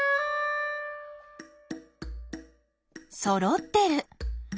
そろってる。